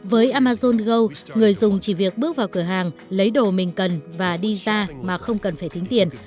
với amazon go người dùng chỉ việc bước vào cửa hàng lấy đồ mình cần và đi ra mà không cần phải tính tiền